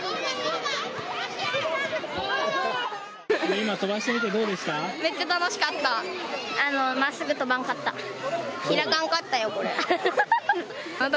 今飛ばしてみてどうでした。